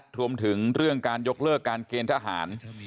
รวมถึงเรื่องการยกเลิกการเกณฑ์ทหาร